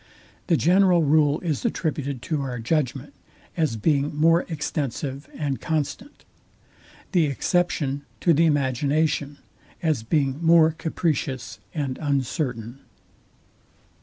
The general rule is attributed to our judgment; as being more extensive and constant. The exception to the imagination, as being more capricious and uncertain.